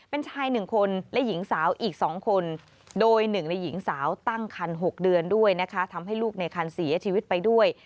เป็นชาย๑คนและหญิงสาวอีก๒คนโดยหนึ่งในหญิงสาวตั้งคัน๖เดือนด้วยนะคะทำให้ลูกในคันเสียชีวิตไปด้วย